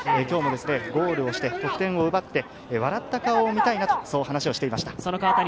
今日もゴールをして得点を奪って、笑った顔を見たいなと話をしていました。